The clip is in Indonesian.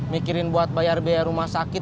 mikirin buat bayar biaya rumah sakit